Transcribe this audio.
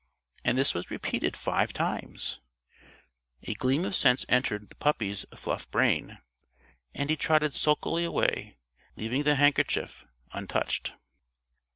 After this was repeated five times, a gleam of sense entered the puppy's fluff brain, and he trotted sulkily away, leaving the handkerchief untouched.